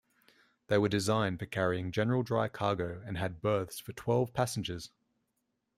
They were designed for carrying general dry cargo and had berths for twelve passengers.